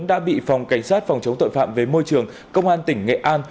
đã bị phòng cảnh sát phòng chống tội phạm về môi trường công an tỉnh nghệ an